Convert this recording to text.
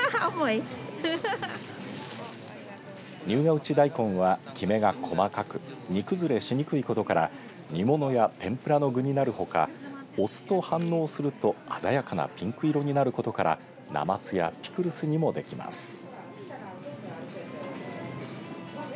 入河内大根は、きめが細かく煮崩れしにくいことから煮物や天ぷらの具になるほかお酢と反応すると鮮やかなピンク色になることからなますやピクルスにもできます。